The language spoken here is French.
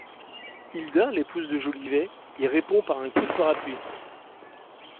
Hilda, l'épouse de Jolivet, y répond par un coup de parapluie.